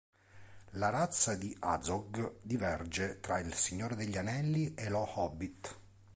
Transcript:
La razza di Azog diverge tra "Il Signore degli Anelli" e "Lo Hobbit".